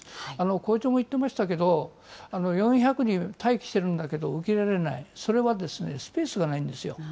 校長も言ってましたけど、４００人待機してるんだけど、受け入れられない、それはスペースがないんですよ。